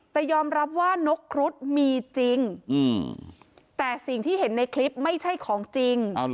แต่ยอมรับว่านกครุฑมีจริงแต่สิ่งที่เห็นในคลิปไม่ใช่ของจริง